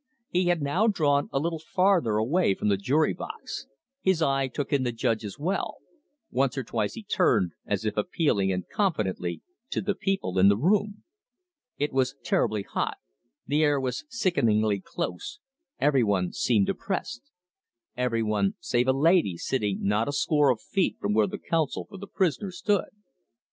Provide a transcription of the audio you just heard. He had now drawn a little farther away from the jury box; his eye took in the judge as well; once or twice he turned, as if appealingly and confidently, to the people in the room. It was terribly hot, the air was sickeningly close, every one seemed oppressed every one save a lady sitting not a score of feet from where the counsel for the prisoner stood.